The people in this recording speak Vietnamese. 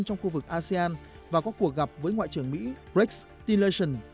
trong khu vực asean và có cuộc gặp với ngoại trưởng mỹ rex tillerson